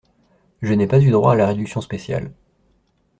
Je n'ai pas eu droit à la réduction spéciale.